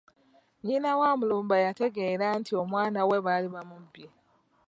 Nnyina wa Mulumba yategeera nti omwana we baali bamubbye.